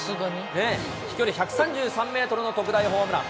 飛距離１３３メートルの特大ホームラン。